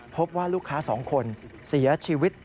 พบว่าลูกค้า๒คนเสียชีวิต